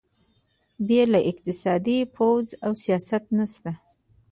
بې له اقتصاده پوځ او سیاست نشته.